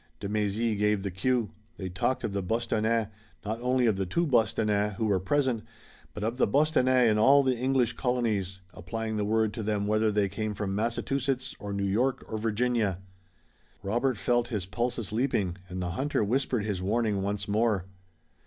De Mézy gave the cue. They talked of the Bostonnais, not only of the two Bostonnais who were present, but of the Bostonnais in all the English colonies, applying the word to them whether they came from Massachusetts or New York or Virginia. Robert felt his pulses leaping and the hunter whispered his warning once more.